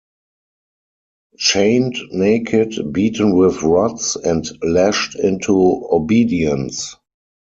Chained, naked, beaten with rods, and lashed into obedience.